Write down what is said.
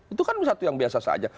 itu kan satu yang biasa saja